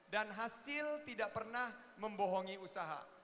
dan hasil tidak pernah membohongi usaha